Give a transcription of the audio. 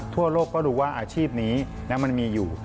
ทั่วโลกก็รู้ว่าอาชีพนี้มันมีอยู่